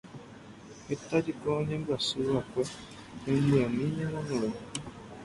Heta jeko oñembyasyva'ekue hymbami ñemanóre.